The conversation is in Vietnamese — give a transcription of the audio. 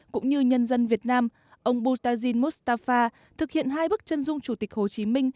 cũng như nhân dân việt nam ông bustagin mustafa thực hiện hai bức chân dung chủ tịch hồ chí minh